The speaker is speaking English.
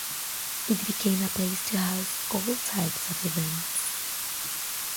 It became a place to house all types of events.